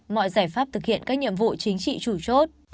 mọi giải pháp thực hiện các nhiệm vụ chính trị chủ chốt